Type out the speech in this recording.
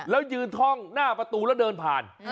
แล้วยืนท่องหน้าประตูแล้วเดินผ่าน